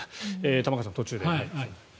玉川さん、途中でした。